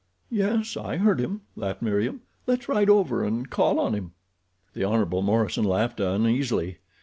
"Yes, I heard him," laughed Meriem. "Let's ride over and call on him." The Hon. Morison laughed uneasily.